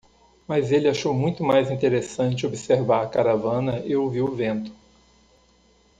Mas ele achou muito mais interessante observar a caravana e ouvir o vento.